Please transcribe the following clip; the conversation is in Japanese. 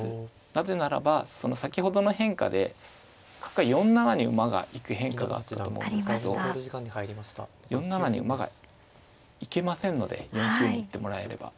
なぜならば先ほどの変化で角は４七に馬が行く変化があったと思うんですけど４七に馬が行けませんので４九に行ってもらえれば。